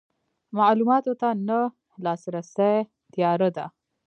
معلوماتو ته نه لاسرسی تیاره ده.